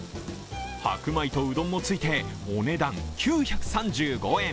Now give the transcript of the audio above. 白米とうどんもついて、お値段９３５円。